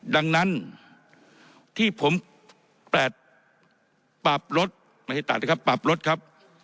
ดังนั้นที่ผมแปลปรับรถไม่ให้ตัดนะครับปรับรถครับ